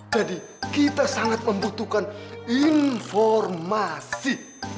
jadi kita sangat membutuhkan informasi